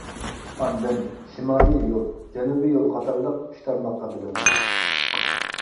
ئاندىن شىمالىي يول، جەنۇبىي يول قاتارلىق ئۈچ تارماققا بۆلىنىدۇ.